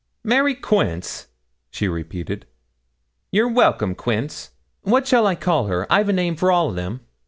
'Mary Quince,' she repeated. 'You're welcome, Quince. What shall I call her? I've a name for all o' them.